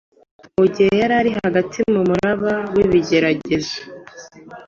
igihe yari hagati mu muraba w’ibigeragezo